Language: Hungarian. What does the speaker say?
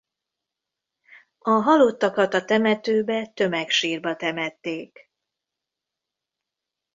A halottakat a temetőbe tömegsírba temették.